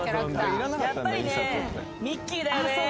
やっぱりねミッキーだよね